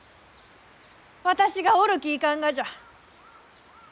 私がおるきいかんがじゃ！